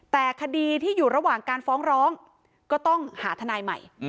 แต่คดีที่อยู่ระหว่างการฟ้องร้องก็ต้องหาทนายใหม่